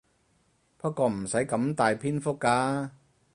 不過唔使咁大篇幅㗎